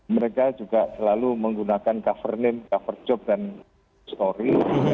mereka juga selalu menggunakan cover name cover job dan story